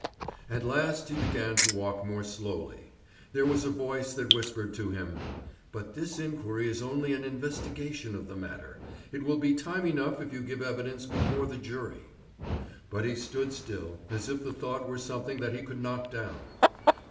At last he began to walk more slowly. There was a voice that whispered to him: "But this inquiry is only an investigation of the matter. It will be time enough if you give evidence before the jury." But he stood still, as if the thought were something that he could knock down.